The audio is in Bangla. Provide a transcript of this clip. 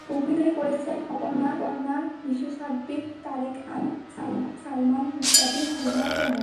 অভিনয় করেছেন অপর্ণা, মিশু সাব্বির, তারিক আনাম খান, সালমান মুক্তাদীর, রুমা প্রমুখ।